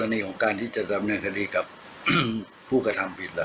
และกรณีของการที่จะเรียนแนวคดีกับผูกธรรมผิดหรือ